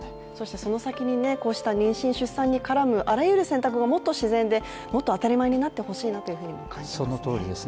その先にこうした妊娠・出産に絡むあらゆる選択がもっと自然でもっと当たり前になってほしいなというふうにも感じますね。